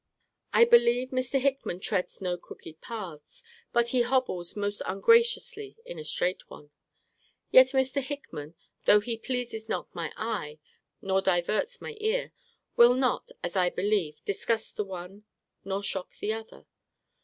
I believe Mr. Hickman treads no crooked paths; but he hobbles most ungracefully in a straight one. Yet Mr. Hickman, though he pleases not my eye, nor diverts my ear, will not, as I believe, disgust the one, nor shock the other.